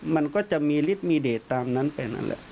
มันก็จะมีฤทธิ์มีเดทตามนั้นไปนั่นแหละ